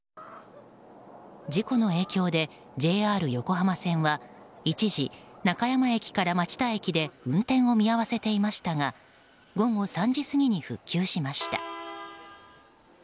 事故の影響でＪＲ横浜線は一時、中山駅から町田駅で運転を見合わせていましたが午後３時過ぎに復旧しました。